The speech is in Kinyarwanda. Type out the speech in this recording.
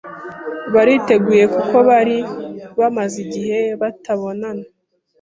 bariteguye kuko bari bamaze igihe batabonana